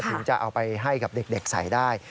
ถึงจะเอาไปให้กับเด็กใส่ได้